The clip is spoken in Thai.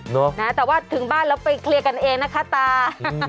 นะแต่ว่าถึงบ้านแล้วไปเคลียร์กันเองนะคะตา